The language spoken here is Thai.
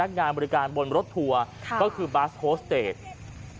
เป็นคณะงานบริการบนรถทัวร์ก็คือบัสโฮเชศใตเบน